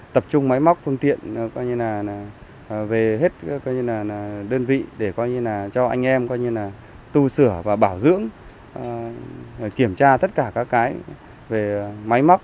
tập trung máy móc phương tiện về hết đơn vị để cho anh em tu sửa và bảo dưỡng kiểm tra tất cả các cái về máy móc